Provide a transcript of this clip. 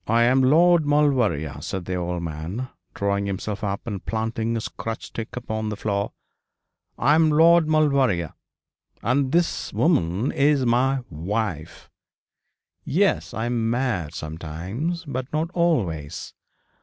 'I am Lord Maulevrier,' said the old man, drawing himself up and planting his crutch stick upon the floor; 'I am Lord Maulevrier, and this woman is my wife. Yes, I am mad sometimes, but not always.